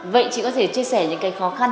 vậy chị có thể chia sẻ những khó khăn